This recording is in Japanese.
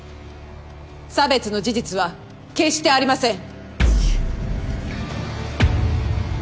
差別の事実は決してありません！